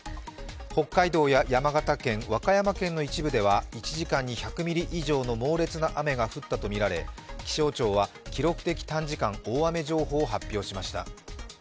北海道や山形県、和歌山県の一部では１時間に１００ミリ以上の猛烈な雨が降ったとみられ気象庁は、記録的短時間大雨情報を発表しました。